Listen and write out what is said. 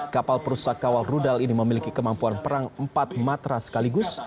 kapal perusak kawal rudal ini memiliki kemampuan perang empat matra sekaligus